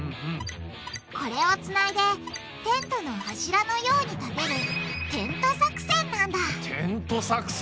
これをつないでテントの柱のように立てる「テント作戦」なんだテント作戦！